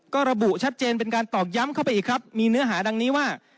ก็ระบุชัดเจนเป็นการตอกย้ำเข้าไปอีกครับมีเนื้อหาดังนี้ว่า